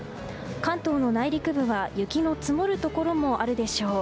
関東の内陸部は雪の積もるところもあるでしょう。